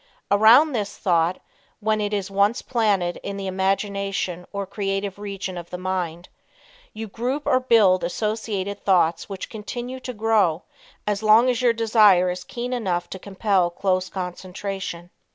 Around this thought, when it is once planted in the imagination or creative region of the mind, you group or build associated thoughts which continue to grow as long as your desire is keen enough to compel close concentration.